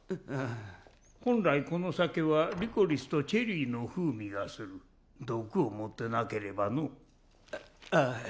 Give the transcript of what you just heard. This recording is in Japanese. ああ本来この酒はリコリスとチェリーの風味がする毒を盛ってなければのうああ